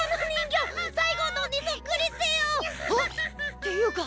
っていうか